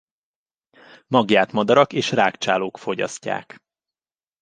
Magját madarak és rágcsálók fogyasztják.